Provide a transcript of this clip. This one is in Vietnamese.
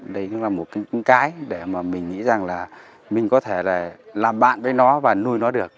đấy cũng là một cái để mà mình nghĩ rằng là mình có thể là làm bạn với nó và nuôi nó được